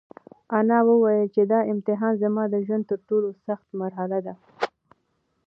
انا وویل چې دا امتحان زما د ژوند تر ټولو سخته مرحله ده.